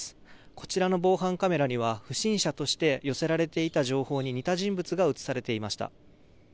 こちらの防犯カメラには不審者として寄せられていた情報に似た人物が映されていました。